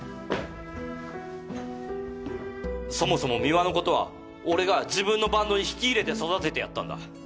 そもそも美和のことは俺が自分のバンドに引き入れて育ててやったんだ。